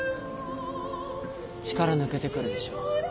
力抜けてくるでしょ？